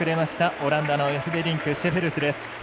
オランダのエフベリンクシェフェルスです。